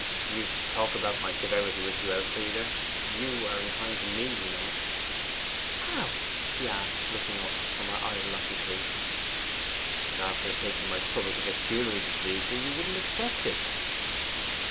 'You talk about my severity with you, Elfride. You are unkind to me, you know.' 'How?' she asked, looking up from her idle occupation. 'After my taking trouble to get jewellery to please you, you wouldn't accept it.